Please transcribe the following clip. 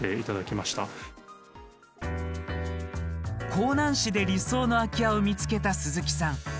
香南市で理想の空き家を見つけた鈴木さん